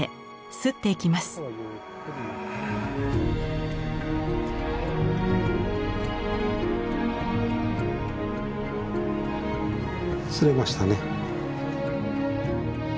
刷れましたね。